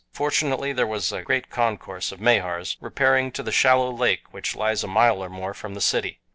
Fortunately, there was a great concourse of Mahars repairing to the shallow lake which lies a mile or more from the city.